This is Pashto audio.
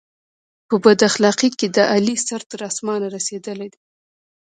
په بد اخلاقی کې د علي سر تر اسمانه رسېدلی دی.